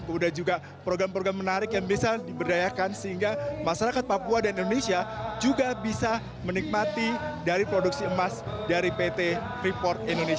kemudian juga program program menarik yang bisa diberdayakan sehingga masyarakat papua dan indonesia juga bisa menikmati dari produksi emas dari pt freeport indonesia